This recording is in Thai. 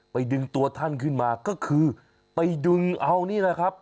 ดึงตัวท่านขึ้นมาก็คือไปดึงเอานี่แหละครับ